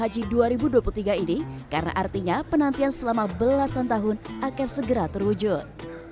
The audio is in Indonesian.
haji dua ribu dua puluh tiga ini karena artinya penantian selama belasan tahun akan segera terwujud